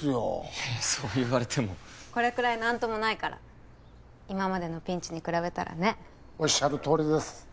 いやいやそう言われてもこれくらい何ともないから今までのピンチに比べたらねおっしゃるとおりです